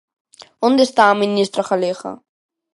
Onde está a ministra galega?